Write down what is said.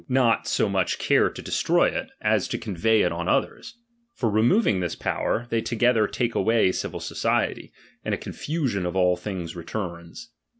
not SO much care to destroy it, as to convey it on others : for removing this power, they together take away civil society, and a confusion of all things returns.